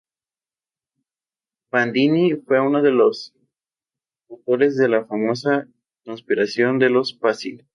Bandini fue uno de los autores de la famosa conspiración de los Pazzi.